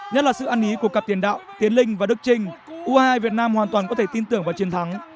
nhất là sự ăn ý của cặp tiền đạo tiến linh và đức trinh u hai mươi hai việt nam hoàn toàn có thể tin tưởng vào chiến thắng